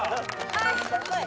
はい。